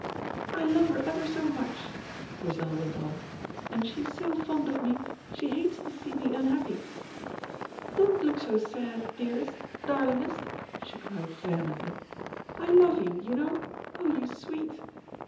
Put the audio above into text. "I love her ever so much," Grizel went on, "and she is so fond of me, she hates to see me unhappy. Don't look so sad, dearest, darlingest," she cried vehemently; "I love you, you know, oh, you sweet!"